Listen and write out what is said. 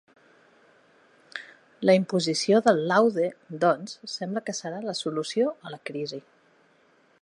La imposició del laude, doncs, sembla que serà la solució a la crisi.